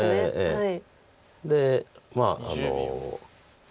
はい。